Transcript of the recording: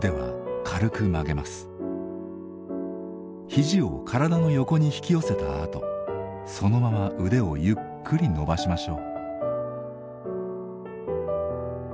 肘を体の横に引き寄せたあとそのまま腕をゆっくり伸ばしましょう。